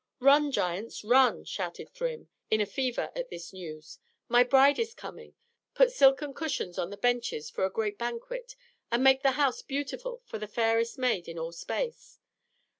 "Run, giants, run!" shouted Thrym, in a fever at this news. "My bride is coming! Put silken cushions on the benches for a great banquet, and make the house beautiful for the fairest maid in all space!